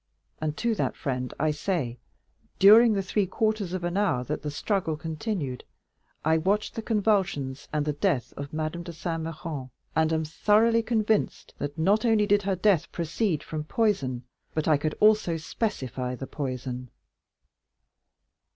And to that friend I say, 'During the three quarters of an hour that the struggle continued, I watched the convulsions and the death of Madame de Saint Méran, and am thoroughly convinced that not only did her death proceed from poison, but I could also specify the poison.